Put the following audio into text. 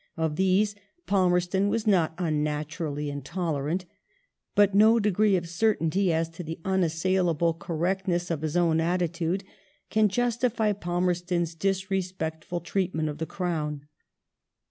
Of these Palmerston was not unnaturally intoler ant, but no degree of certainty as to the unassailable correctness of his own attitude can justify Palmerston's disrespectful treatment of the Crown.